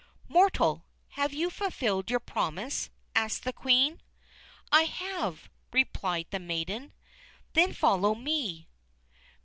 _" "Mortal, have you fulfilled your promise?" asked the Queen. "I have," replied the maiden. "Then follow me."